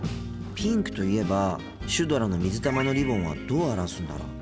ピンクといえばシュドラの水玉のリボンはどう表すんだろう。